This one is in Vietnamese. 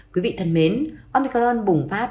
quý vị thân mến omicron bùng phát